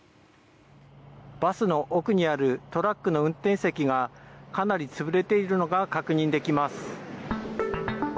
バスの奥にあるトラックの運転席がかなり潰れているのが確認できます。